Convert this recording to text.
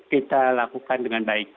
kita lakukan dengan baik